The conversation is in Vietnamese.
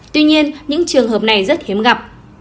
tuy nhiên những trường hợp này rất hiếm gặp